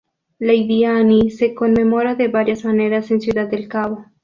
Lady Anne se conmemora de varias maneras en Ciudad del Cabo.